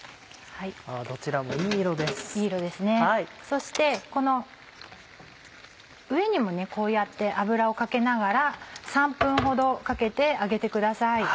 そしてこの上にもこうやって油をかけながら３分ほどかけて揚げてください。